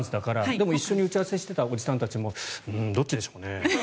でも、一緒に打ち合わせしていたおじさんたちもどっちでしょうね。